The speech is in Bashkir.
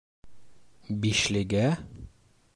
«Бишле»гә?!